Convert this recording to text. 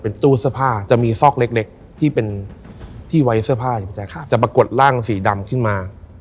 ตู้เสื้อผ้าจะมีซอกเล็กที่เป็นที่ไว้เสื้อผ้าอยู่พี่แจ๊คจะปรากฏร่างสีดำขึ้นมา